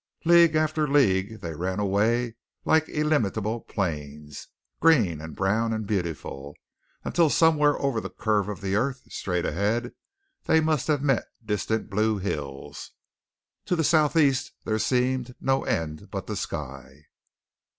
League after league they ran away like illimitable plains, green and brown and beautiful, until somewhere over the curve of the earth straight ahead they must have met distant blue hills. To the southeast there seemed no end but the sky.